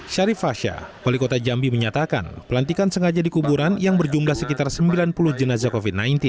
syarif fasha wali kota jambi menyatakan pelantikan sengaja di kuburan yang berjumlah sekitar sembilan puluh jenazah covid sembilan belas